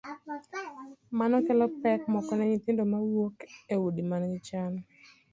Mano kelo pek moko ne nyithindo mawuok e udi ma nigi chan: